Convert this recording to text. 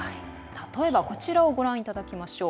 例えばこちらをご覧いただきましょう。